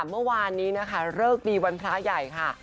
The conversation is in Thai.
เมื่อวานนี้นะคะเลิกดีวันพระใหญ่ค่ะ